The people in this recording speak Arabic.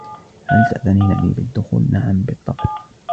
" هل تأذنين لي بالدخول ؟"" نعم ، بالطبع ".